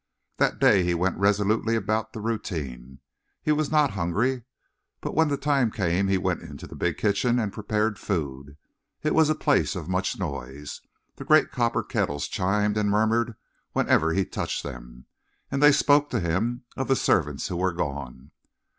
That day he went resolutely about the routine. He was not hungry, but when the time came he went into the big kitchen and prepared food. It was a place of much noise. The great copper kettles chimed and murmured whenever he touched them, and they spoke to him of the servants who were gone.